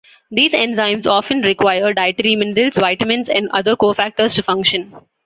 These enzymes often require dietary minerals, vitamins, and other cofactors to function.